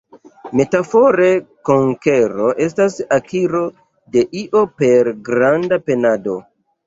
Metafore konkero estas akiro de io per granda penado.